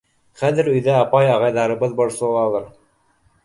Хәҙер өйҙә апай-ағайҙарыбыҙ борсолалыр.